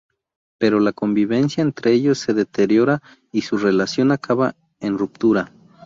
Pero la convivencia entre ellos se deteriora y su relación acaba en ruptura.